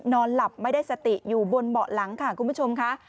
นอนหลับไม่ได้สติอยู่บนเบาะหลังค่ะคุณผู้ชมค่ะ